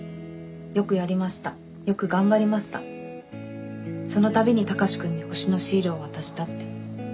「よくやりましたよく頑張りましたその度に高志くんに星のシールを渡した」って。